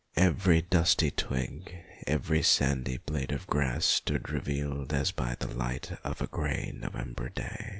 Every dusty twig, every sandy blade of grass stood revealed as by the light of a grey November day.